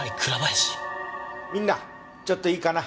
みんなちょっといいかな。